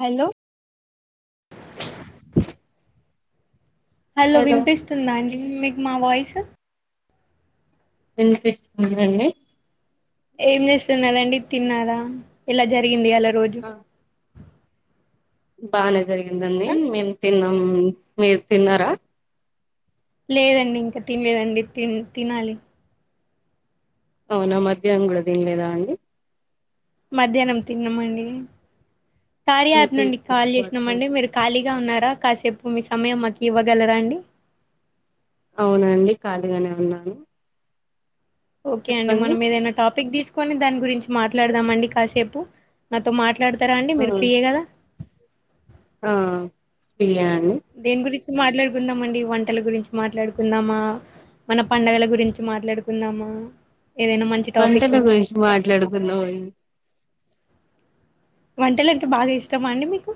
Hello hello వినిపిస్తుదండి మీక్ మా వాయిసు విన్పిస్తుందడి ఏం చేస్తున్నారండి తిన్నారా ఇలా జరిగింది అలా రోజు బాలే జరిగిదండి ఆ మేము తిన్నాం మ్మ్ మీర్ తిన్నారా లేదండి ఇంకా తినలేదండి తిన్ తినాలి అవునా మధ్యానం కూడా తినలేదా అండి మధ్యానం తిన్నామండి కార్య మీ యాప్ పేరు నుండి కాల్ తెలుసుకోవచ్చా చేసినామండి మీరు ఖాళీగా ఉన్నారా కాసేపు మిస్ సమయం మాకివ్వగలరా అండి అవునండి కాళీగానే ఉన్నాను ఓకే అండి చెప్పండి మనం ఏదైనా టాపిక్ తీసుక్ కొని దాని గురించి మాట్లాడుదామండి కాసేపు నాతో మాట్లా డుతారా అండి ఆ మీరు ఫ్రీయే కదా ఆ ఫ్రీయే అండి దేన్ గురి మాట్లాడుకుందామాండి వంటల గురించి మాట్లాడుకుందామా, మన పండగల గురించి మాట్లాడుకుందామా ఏదైనా మంచి టాపిక్ వంటల గురించి మాట్లాడుకుందామే వంటలంటే బాగా ఇష్టమండి మీకు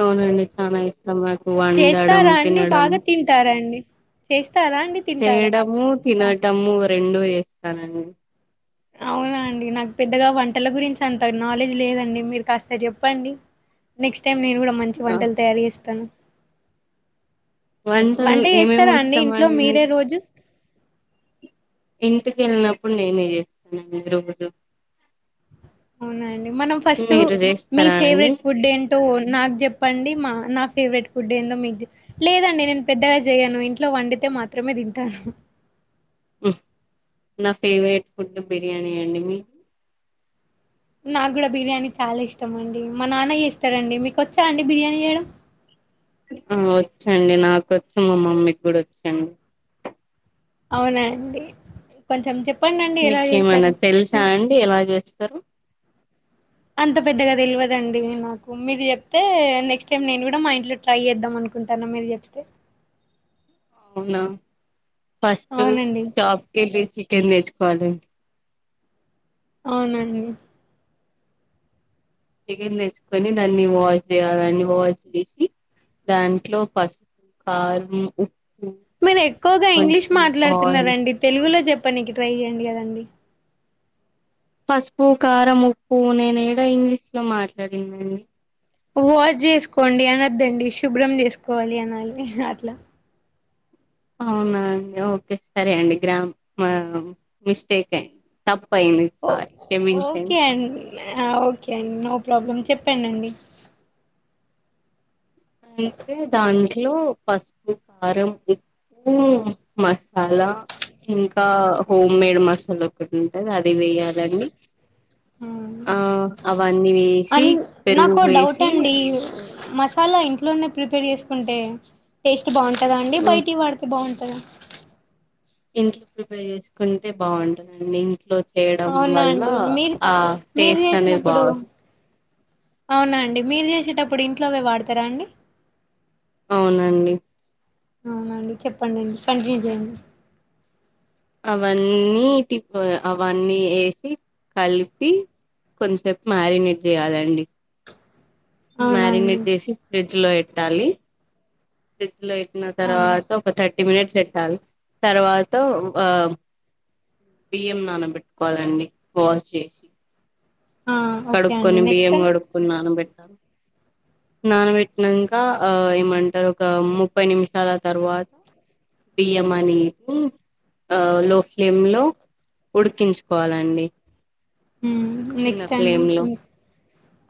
అవునండి చాలా ఇష్టం నాకు వండడం, తినడం చేస్ చేయడము, తినటము రెండు ఏ [unintelligible] అవునాండి నాకు పెద్దగా వంటల గురించి అంత నాలెడ్జ్ లేదండి మీరు కాస్త చెప్పండి నెక్స్ట్ నేను కూడా మంచి ఆ వంటలు తయారు చేస్తాను వంటలు వంటే ఏమేమి చేస్తారా అండి ఇష్టం ఇంట్లో మీరే మీకు రోజు ఇంటికి వెళ్ళినప్పుడు నేనే చేస్తానండి రోజు అవునాండి మనం ఫస్ట్ మీరు మీ చేస్తారా అండి ఫేవరెట్ ఫుడ్ ఏంటో నాకు చెప్పండి మా నా ఫేవరెట్ ఫుడ్ ఏందో మీకు లేదండి నేను పెద్దగా చేయను ఇంట్లో వండితే మాత్రమే తింటాను నా ఫేవరెట్ ఫుడ్ బిర్యానీ అండి మీకు నాకు కూడా బిర్యానీ చాలా ఇష్టం అండి మా నాన్న చేస్తారండి మీకు వచ్చా అండి బిర్యానీ చేయడం ఆ వచ్చండి నాకొచ్చు, మా మమ్మీకి కూడా వచ్చండి అవునా అండి కొంచెం చెప్ మీకేమన్నా తెలుసా అం ఎలా చేస్తారు అంత పెద్దగా తెల్వదండీ నాకు మీరు చెప్తే నెక్స్ట్ టైం నేను కూడా మా ఇంట్లో ట్రై చేద్దాం అనుకుంటాను మీరు చెప్తే అవునా ఫస్ట్ అవునండి షాప్కెళ్ళి చికెన్ తెచ్చ్ కోవాలి అవునండి చికెన్ తెచ్చుకొని దాన్ని వాష్ చేయాలి అండి దాన్ని వాష్ చేసి దాంట్లో పసుపు, కారం, ఉప్పు మీరు ఎక్కువగా ఇంగ్లీష్ కొంచెం ఆయిల్ మాట్లాడుతున్నారండి తెలుగులో చెప్ ప్పనికె ట్రై చేయండి కదండి. పసుపు, కారం, ఉప్పు, నేను ఏడ ఇంగ్లీష్ లో మాట్లాడిన అండి! వాష్ చేసుకోండి అనొద్దండి శుభ్రం చేసుకోవాలి అనాలి అట్లా. అవునా అండి ఓకే సరే అండి గ్రామర్ మిస్టేక్ అయ్యింది తప్ ఓకే అం ఓకే అండి నో ప్రాబ్లమ్ చెప్పండి అండి అయితే దాంట్లో పసుపు, కారం, ఉప్పు, మసాలా, ఇంకా హోమ్ మేడ్ మసాలా ఒకటి ఉంటది అది వెయ్యాలండి. ఆఁ అవన్నీ వేసి, అన్ పెరుగు నాకు డౌట్ వేసి, అండి మసాలా ఇంట్లోనే ప్రిపేర్ చేసుకుంటే టేస్ బాగుంటదా అండి, హ్మ్. బయటివీ వాడితే బాగుం టదా ఇంట్లో ప్రిపేర్ చేసుకుంటే బాగుంటదండి ఇంట్లో చేయడం అవునా వల్ల అండి మీరు ఆ మీరు టేస్ట్ అనేది చేసినప్పుడు బాగా వస్తది. అవునా అండి మీరు చేసేటప్పుడు ఇంట్లోవే వాడతారా అండి? అవునండి. అవునా అండి చెప్పండి కంటిన్యూ చేయండి. అవన్నీ ఇటి అవన్నీ ఏసి కలిపి కొంచసేపు మ్యారినేట్ చేయాలండి. అవునా అండి మ్యారినేట్ చేసి ఫ్రిడ్జ్ లో పెట్టాలి లో పెట్టిన అవునా తర్వాత ఒక థ థర్టీ మినిట్స్ పెట్టాల్ తర్వా త ఆఁ బియ్యం నానబెట్టుకోవాలండి వాష్ జేసి ఓకే అండి కడుక్కొని నెక్స్ట్ బియ్యం అండి కడుక్కొని నాన బె నానబెట్టినంక ఆ ఏమంటారు ఒక ముప్పై నిమి సాల తర్వాత బియ్యం అనేసి ఆ లో ఫ్లేమ్లో ఉడికించుకోవాలండి. హ్మ్ చిన్న నెక్స్ట్ టైమ్ ఫ్లేమ్ లో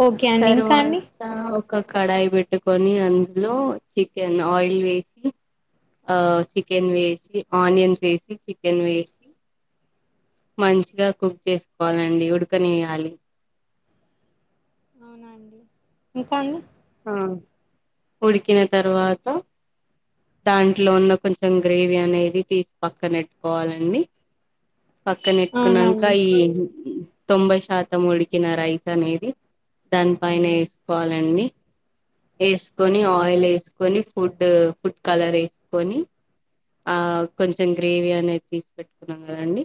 ఓకే అండి ఇంకా అండి. తర్వాత ఒక కడాయి పెట్టుకొని అందులో చికెన్ ఆయిల్ వేసి ఆ చికెన్ వేసి ఆనియన్స్ వేసి చికెన్ వేసి మంచిగా కుక్ చేసుకోవాలండి ఉడు కనియ్యాలి. అవునా అండి ఇంకా అండి, ఆ ఉడికిన తర్వాత దాంట్లో ఉన్న కొంచెం గ్రేవీ అనేది తీసి పక్కనెట్టుకోవాలండి. పక్కనెట్టుకున్నాంక అవునండి ఈ తొంభై శాతం ఉడికిన రైస్ అనేది దాని పైన వేసుకోవాలండి. ఏస్కొని ఆయిల్ ఏస్కొని ఫుడ్ ఫుడ్ కలర్ ఏస్కొని ఆ కొంచెం గ్రేవీ అనేది తీసి పెట్టుకున్నం కదండి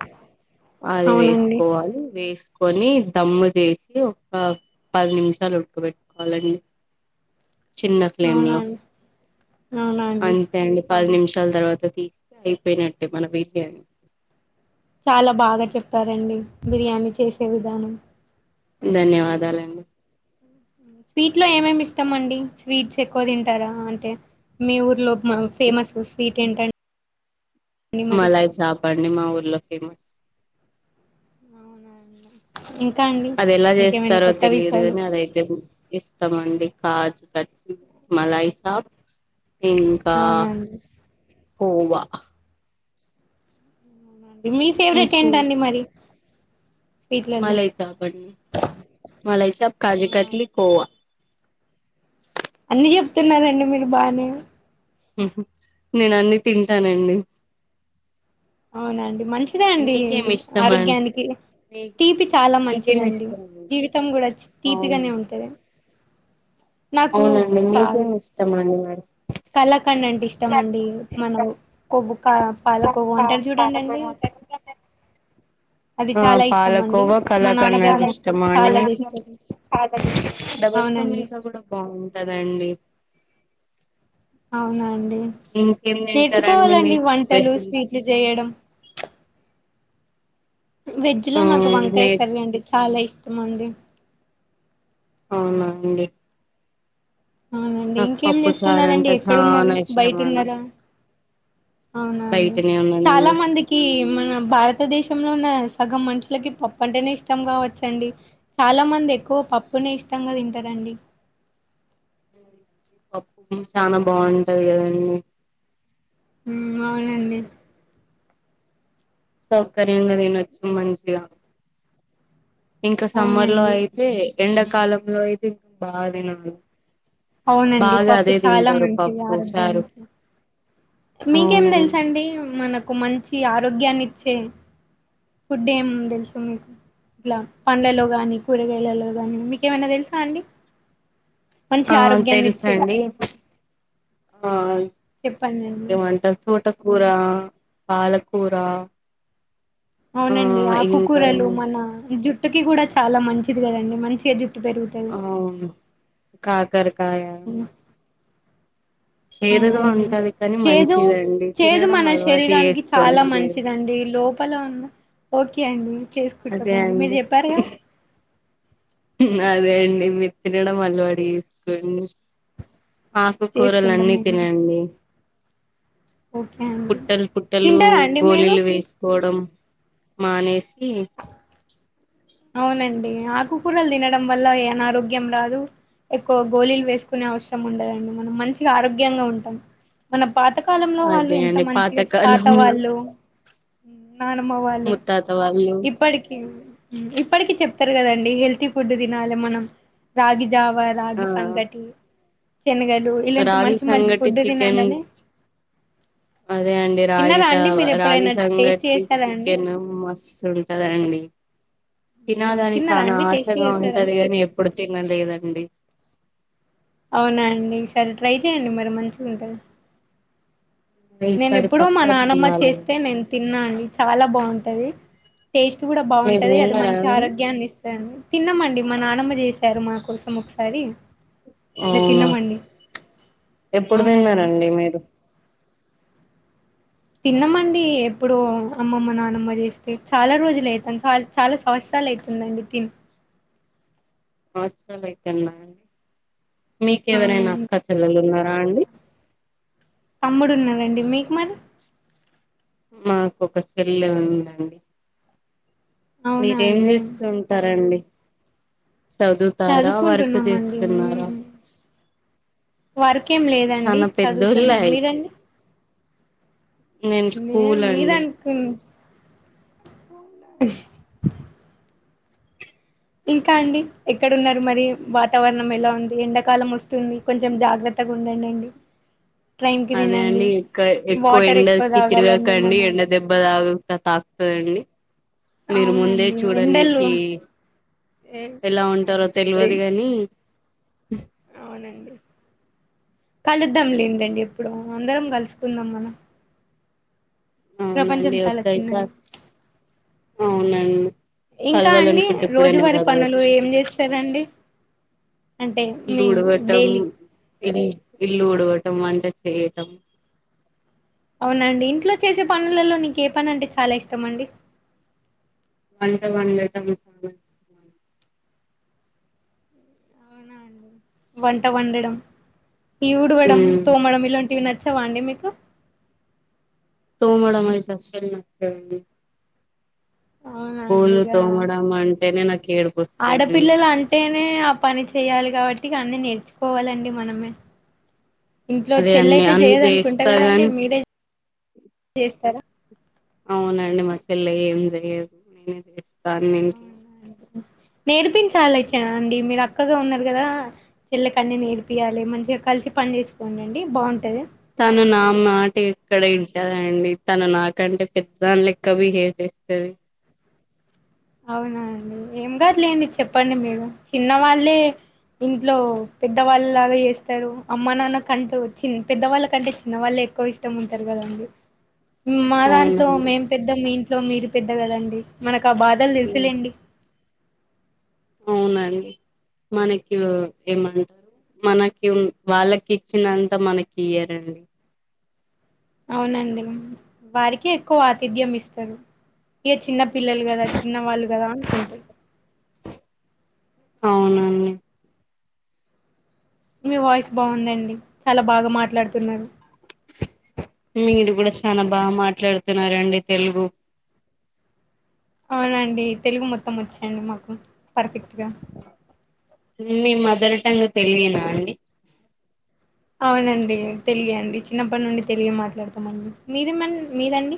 అది అవునండి వేసుకోవాలి వేస్ కొని దమ్ము చేసి ఒక పది నిమిషాలు ఉడకబెట్టుకోవాలండి. చిన్న ఫ్లేమ్ లో అవునండి అవునండి అంతే అండి పది నిమిషాలు షాల తర్వాత తీస్తే అయిపోయినట్టే మన బిర్యానీ చాలా బాగా చెప్ ప్తారండి బిర్యానీ చేసి చెప్పే విధానం ధన్యవాదాలండి స్వీట్ లో ఏమేమి ఇష్టం అండి స్వీట్స్ ఎక్కువ తింటారా అంటే మీ ఊర్లో ఫేమస్ స్వీట్ ఇంకేంటండి మలాయ చాపండి మా ఊర్లో ఫేమస్ ఎ అది ఎలా చేస్తారో తెలియదు గానీ అదయితే ఇస్టమండి కాజు కచ్చి మలాయి చాప ఇంకా అవునండి కోవా అవునండి మీ ఫేవరెట్ ఏంటండి మరి స్వీట్లలో మలా ఇ చ మలా అవునా కాజికట్లీ అండి కోవా అన్ని చెప్తున్నారండి మీరు బానే నేను అన్ని తింటానండి అవునండి మంచిదా అండి మీకేమి ఇష్టమండి ఆరోగ్యానికి మీ తీపి చాలా మీకేమి మంచిదండి ఇష్టం జీవితం కూడా అవునా తీపిగానే ఉంటది నాకు అవునండి మీకేమి ఇష్టం అనివరి కళాకండ్ అంటే ఇష్టం అండి మనం కోబ అది ఆ చాలా ఇష్టం అండి పాలకోవా మా కళాక అంటే నాన్నగారు మస్త్ ఇష్టమా అని చాలా తెస్తారు డాబాలుకా అవునండి మీటా బాగు అదండి అవునా అండి తింటారండి నేర్చుకోవాలండి మీరు వంటలు వెజ్ స్వీట్లు చేయడం వెజ్ లో ఆ నాకు వంకాయ వెజ్ కర్రీ అండి చాలా ఇష్టం అందిడి అవునా అండి అవునండి నాకు ఇంకేం పప్పు చారు చేస్తున్నారండి అంటే ఎక్కడున్నారు చానా ఇష్టం బయట అండి ఉన్నారా అవునండి బయటనే చాలా ఉన్నానండి మందికి మన భారతదేశం ంలో ఉన్న సగం మనుషులకి పప్పు అంటేనే ఇష్టం కావచ్చండి చాలా మంది ఎక్కువ పప్పునే ఇష్టంగా తింటారండి పప్పు చాలా బాగుంటది కదంీ హ్మ్మ్ అవునండి సౌకర్యంగా తినొచ్చా మంచిగా ఇంక సమ్మర్ లో అవునండి అయితే ఎండ కాలంలో అయితే ఇం బాగా తినదు అవునండి పప్పు చాలా మంచిది పప్పు చారు ఆరోగ్యానికి మీకేం అవును తెలుసండి మనకు మంచి ఆరోగ్యాన్ని ఇచ్చే ఫుడ్ ఏం తెలుసు మీకు ఇట్లా పండ్లలో కానీ కూరగాయలలో కానీ మీకేమైనా తెలుసా అండి మంచి ఆ ఆరోగ్యాన్ని ఇచ్చే తెలుసండి ఆ చెప్పండి అండి ఏ మంటరు తోటకూరా పాలకూరా అవునండి ఆకుకూరలు మన జుట్టుకి ఇకి కూడా చాలా మంచిది కదండి మంచిగా జు పెరుగుతోను కాకర కాయా చేదు గా అవునండి ఉంటది కానీ చేదు మంచిదండి చేదు తినడం మన అలవాటు చేసుకోండి మీరు ప ఓకే [unintelligible] అండి అదే చేసుకుంటామండి మీరు అండి చెప్పారుగా అదే అండి మీరు తినడం అలవాటు చేసుకోండి ఆకుకూరలు చేసుకుంటాం అన్నీ మేము తినండి ఓకే అండి పుట్టలు పుట్టలు తింటారా అండి మీరు గోలీలు వేసుకోవడం మానేసి అవునండి ఆకుకూరలు తినడం వల్ల ఏ అనారోగ్యం రాదు ఎక్కువ గోళీలు వేసుకునే అవసరం ఉండదండి మనం మంచిగా ఆరోగ్యంగా ఉంటాం మన పాతకాలంలో వాళ్ళు అదే ఎంత అండి మంచిగా పాతకాలంలో తాతవాళ్ళు హ నానమ్మ వాళ్ళు ముత్తాత వాళ్ళు ఇప్పటికి ఇప్పటికి చెప్తారు కదండి హెల్తీ ఫుడ్ తినాలి మనం రాగి జావ ఆ రాగి సంఘటి రాగి సంగటి చికెన్ తినండి అని అదే అండి రాగి తిన్నారా అండి జావ మీరు రాగి ఎప్పుడైనా టేస్ట్ సంగటి చేసారా అండి చికెన్ మస్తు ఉంటుంది ఉంటదండి తినాలని తిన్నారా చానా అండి టేస్ట్ ఆశగా చేసారా ఉంటది కాని ఎప్పుడు తినలేదండి అవునా అండి సరే ట్రై చేయండి మరి మంచిగా ఉంటది నేను ఈసారి ఎప్పుడో మా పక్కా నానమ్మ తినాలండి చేస్తే నేను తిన్నా అండి చాలా బాగుంటుంది తది టేస్ట్ కూడా మీరు బాగుంటది అది విన్నారా మంచి అండి ఆరోగ్యాన్ని ఇస్తుందిని తిన్నామండి మన మా అమ్మ చేసారు మా కోసం ఒకసారి ఇట్లా అవునా తిన్నామండి ఎప్పుడు అవునండి తిన్నారండి మీరు తిన్నామండి ఎప్పుడు అమ్మమ్మ నానమ్మ చేస్తే చాలా రోజులు అయితాంది సారీ చాలా సంవత్సరాలు అవుతుందండి తిన్ సంవత్సరాలు అయితుందా అండి మీకెవరైనా అవునండి అక్క చెల్లెలున్నారా అండి తమ్ముడు ఉన్నాడండి మీకు మరి మాకు ఒక చెల్లె ఉందండి అవునా మీరేం అండి చేస్తుంటారండి చదువుతారా వర్క్ చేస్తున్నారా వర్కు వర్క్లేదడి చానా పెద్దోళ్ళే చదువుతున్నాం అయితే మీరండి నేను నే స్కూల్ మీర అండి అనుకు అస్ ఇంకా అండి ఎక్కడన్నారు మరి వాతావరణం ఎలా ఉంది ఎండాకాలం వస్తుంది కొంచెం జాగ్రత్తగా ఉండడి అండి అదే అండి ఎక్క ఎక్కువ ఎండకి తాగాలండి తిరగాకండి మనం ఎండ దెబ్బ తాగు త తాకుతందండి మీరు ముందే అవునండి ఎండలు చూడనికి ఎలా ఉంటారో వెయ్ తెలవదు కానీ అవునండి కలుద్దాం లేదండి ఎప్పుడు అందరం కలుసుకుందాం మనం ప్రపంచం అవునండి చాలా ఒకసారి చిన్నది క అవునండి ఇంకా అండి కలవాలనుకుంటే ఎప్పుడైనా రోజువారి పనులు కలవచ్చు ఏం చేస్తారండి అంటే ఇల్లు మీరు ఉడవటం డైలీ ఇల్ ఇల్లు ఉడవటం వంట చేయటం అవునండి ఇంట్లో చేసే పనులలో నీకు ఏ పని అంటే చాలా ఇష్టం అండి వంట వండటం వచ్చా అవునా అండి వంట వండడం ఈ ఉడవడం ఉమ్ తోమడం ఇలాంటివి నచ్చ చ్చవాండి మీకు తోమడం ఇట్లా శ్రమఅండి అవునా అండి పూలు ఇక తోమడం అంటేనే నాకు ఏడుపు వస్తుందండి ఆడపిల్లలు అంటేనే ఆ పని చేయాలి కాబట్టి ఇగా అని నేర్చుకోవాలండి మనమే ఇంట్లో అదే చెల్ల అన్ని అయితే అన్ని చేయదు అనుకుంటా చేస్తా కదండి గాని మీరే చేస్తారా అవునండి మా చెల్ల ఏం చెయదు నేనే చేస్తా అని ఇంట్లో నేర్పించలి అయితే అండి మీరు అక్కగా ఉన్నారు కదా చెల్లకన్నీ నేర్పియాలి మంచిగా కలిసి పని చేసుకోండి బాగుంటది తను నా మాట ఎక్కడ వింటాది అండి తను నాకంటే పెద్దదాని లేక బిహేవ్ చేస్తాది అవునా అండి ఏం కాదులేండి చెప్పండి మీరు చిన్న వాళ్ళే ఇంట్లో పెద్దవాళ్ళలాగా చేస్తారు అమ్మ నాన్న కంటూ చి పెద్దవాళ్ళకంటే చిన్న వాళ్ళే ఎక్కువ ఇష్టం ఉంటది కదండి మా దాంట్లో అవునండి మేం పెద్ద మేం లో మీరు పెద్దగదండి మనకు ఆ బాధ వాల్ ఉమ్ తెలుసులేండి అవునండి మనకి ఏమంటారు మనకి వాళ్ళకి ఇచ్చినంత మనకి ఇయరండి అవునండి వారిక ఎక్కువ ఆతిథ్యం ఇస్తరు ఇక చిన్న పిల్లలు కదా చిన్న వాళ్ళు కదా అనుకుంటరు అవునండి మీ వాయిస్ బాగుందండి చాలా బాగా మాట్లాడుతున్నారు మీది కూడా చాలా బాగా మాట్లాడుతున్నారండి తెలుగు అవునండి తెలుగు మొత్తం వచండి మాకు పర్ఫెక్ట్గా మీ మదర్ టంగ్ తెలియదా అండి అవునండి తెలియ అండి చిన్నప్పటి నుండి తెలిగే మాట్లాడతామండి మీది మన్ మీదండి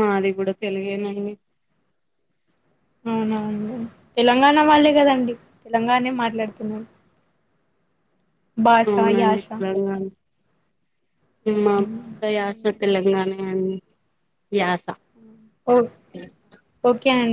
మాది కూడా తెలిగేనండి అవునా అండీ తెలంగాణ వాళ్ళే కదండి తెలంగాణే మాట్లాడుతున్నారు బాష యాష ఇ మా బాషా యాషా తెలంగాణ అండ్ యాస ఓ ఓ క్యాన్